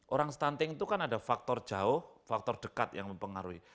orang stunting itu kan ada faktor jauh faktor dekat yang mempengaruhi